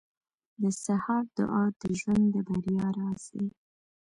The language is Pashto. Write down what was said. • د سهار دعا د ژوند د بریا راز دی.